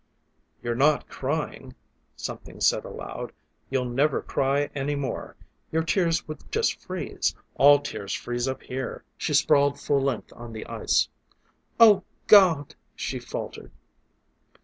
"You're not crying," something said aloud. "You'll never cry any more. Your tears would just freeze; all tears freeze up here!" She sprawled full length on the ice. "Oh, God!" she faltered.